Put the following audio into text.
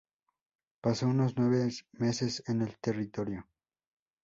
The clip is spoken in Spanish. Pasó unos nueve meses en el Territorio.